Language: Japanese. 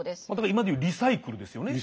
今で言うリサイクルですよね。